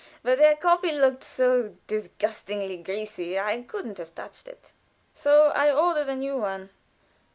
But their copy looked so disgustingly greasy I couldn't have touched it; so I ordered a new one."